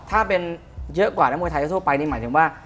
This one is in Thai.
ถ้าเป็นเยอะกว่านักมวยไทยทั่วไปนี่หมายถึงว่า